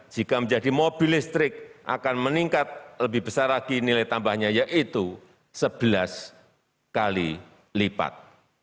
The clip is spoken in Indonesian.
jika menjadi mobil listrik akan meningkat lebih besar lagi nilai tambahnya yaitu sebelas kali lipat